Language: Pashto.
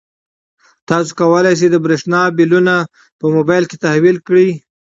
تاسو کولای شئ د برښنا بلونه په موبایل کې تحویل کړئ.